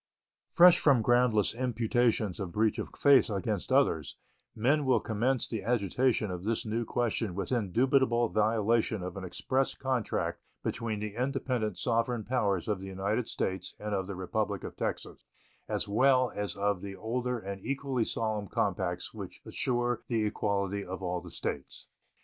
Fresh from groundless imputations of breach of faith against others, men will commence the agitation of this new question with indubitable violation of an express compact between the independent sovereign powers of the United States and of the Republic of Texas, as well as of the older and equally solemn compacts which assure the equality of all the States.